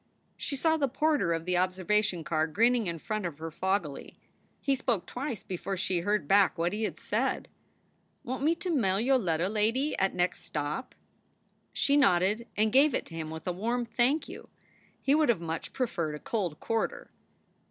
She saw the porter of the observation car grinning in front of her foggily. He spoke twice before she heard back what he had said. "Want me to mail yo letta, lady, at next stop?" She nodded and gave it to him with a warm, " Thank you." He would have much preferred a cold quarter.